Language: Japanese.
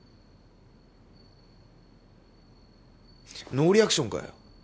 ノーリアクションかよ！